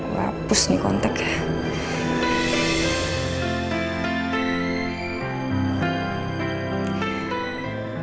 lepus nih konteknya